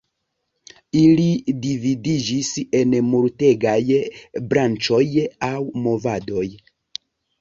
Ili dividiĝis en multegaj branĉoj aŭ movadoj.